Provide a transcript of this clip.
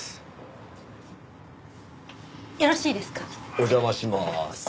お邪魔しまーす。